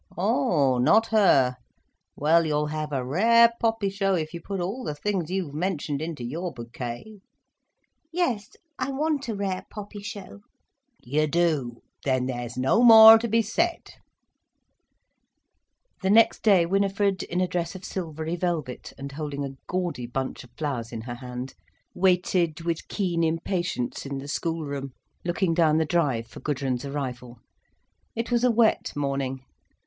"Oh, not her? Well you'll have a rare poppy show if you put all the things you've mentioned into your bouquet." "Yes, I want a rare poppy show." "You do! Then there's no more to be said." The next day Winifred, in a dress of silvery velvet, and holding a gaudy bunch of flowers in her hand, waited with keen impatience in the schoolroom, looking down the drive for Gudrun's arrival. It was a wet morning.